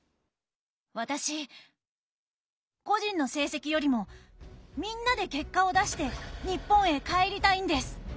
私個人の成績よりもみんなで結果を出して日本へ帰りたいんです！